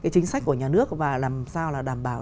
chính sách của nhà nước và làm sao là đảm bảo